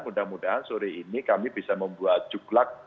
mudah mudahan sore ini kami bisa membuat juklak